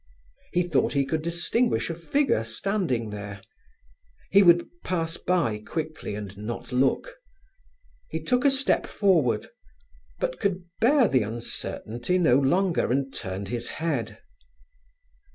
He thought he could distinguish a figure standing there. He would pass by quickly and not look. He took a step forward, but could bear the uncertainty no longer and turned his head.